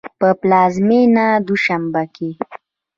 په پلازمېنه دوشنبه کې